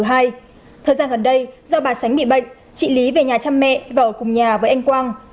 thời gian gần đây do bà sánh bị bệnh chị lý về nhà chăm mẹ và ở cùng nhà với anh quang